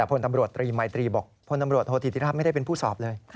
พนตำรวจโทษฏิทิภาพไม่ได้เป็นผู้สอบเลย